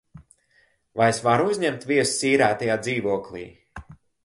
Vai es varu uzņemt viesus īrētajā dzīvoklī?